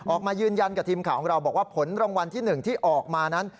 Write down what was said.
ออกมายืนยันกับทีมข่าวของเราบอกว่าผลรางวัลที่๑ที่ออกมานั้น